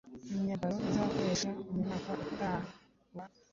imyambaro izakoresha mu mwaka utaha wa